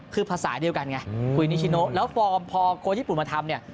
คือภาษาเดียวกันไงคุยนิชิโนแล้วฟอร์มพอโค้ชญี่ปุ่นมาทำเนี่ย